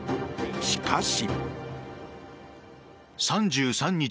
しかし。